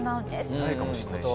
いないかもしれないし。